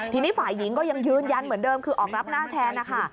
ทีนี้ฝ่ายหญิงก็ยังยืนยันเหมือนเดิมคือออกรับหน้าแทนนะคะ